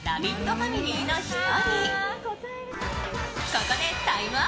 ファミリーの１人。